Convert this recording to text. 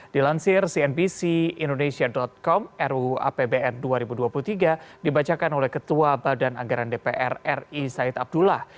dilansir cnbc indonesia com ruu apbn dua ribu dua puluh tiga dibacakan oleh ketua badan anggaran dpr ri said abdullah